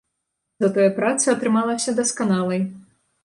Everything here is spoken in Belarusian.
Затое праца атрымалася дасканалай.